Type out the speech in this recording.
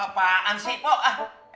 emang taneman aja ini cik